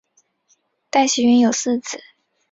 戴喜云有四子。